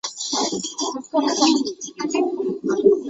分类基于三级的和一级的结构层面的相似性。